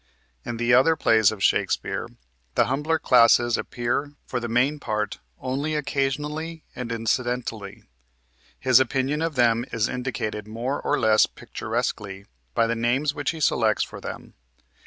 In the other plays of Shakespeare the humbler classes appear for the main part only occasionally and incidentally. His opinion of them is indicated more or less picturesquely by the names which he selects for them.